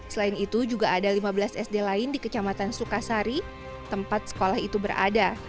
selain itu juga ada lima belas sd lain di kecamatan sukasari tempat sekolah itu berada